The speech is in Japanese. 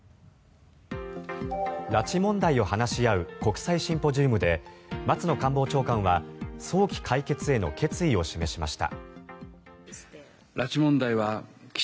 拉致問題を話し合う国際シンポジウムで松野官房長官は早期解決への決意を示しました。